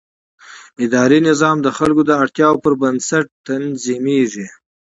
اداري نظام د خلکو د اړتیاوو پر بنسټ تنظیمېږي.